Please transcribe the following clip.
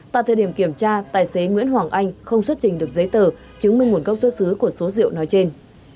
tại thời điểm kiểm tra tài xế nguyễn hoàng anh không xuất trình được giấy tờ chứng minh nguồn gốc xuất xứ của số rượu nói trên